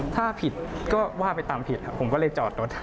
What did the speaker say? ถ้าผิดก็ว่าไปตามผิดผมก็เลยจอดรถ